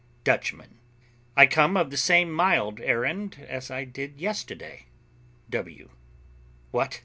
Dutchman. I come of the same mild errand as I did yesterday. W. What!